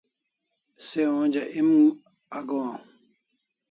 Se onja em aghowan